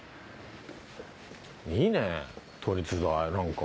いいね都立大なんか。